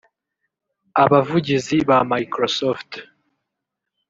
Abavugizi ba Microsoft